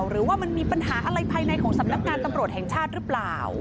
หรือว่ามันมีปัญหาอะไรภายในของสำนักงานตำรวจแห่งชาติหรือเปล่า